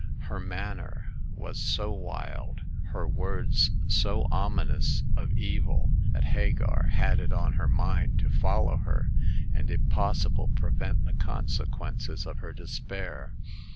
Her manner was so wUd, her words so ominous of evil, that Hagar The Second Customer. 83 had it on her mind to follow her, and, if possible, prevent the consequences of her despair.